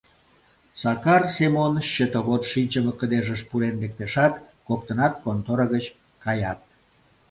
Сакар Семон счетовод шинчыме кыдежыш пурен лектешат, коктынат контора гыч каят.